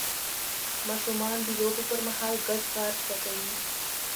ماشومان د لوبو پر مهال ګډ کار زده کوي